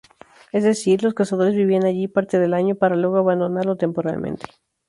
Es decir, los cazadores vivían allí parte del año, para luego abandonarlo temporalmente.